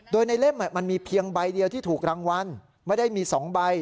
โดยในเล่มมันมีเพียงใบเดียวที่ถูกรางวัลไม่ได้มี๒ใบ